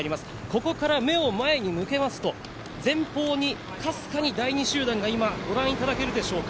ここから目を前に向けますと前方にかすかに第２集団が今、ご覧いただけるでしょうか。